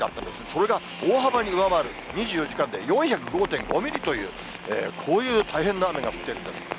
それが大幅に上回る、２４時間で４０５．５ミリという、こういう大変な雨が降ってるんです。